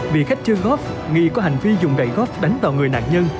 vì khách chơi gốc nghi có hành vi dùng gậy gốc đánh vào người nạn nhân